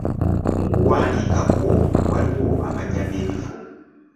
Mu kuwandiika okwo, waliwo amannya g'ebifo.